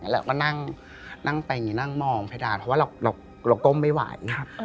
แล้วก็นั่งไปนี่นั่งมองเพดานเพราะว่าเราก้มไม่ไหว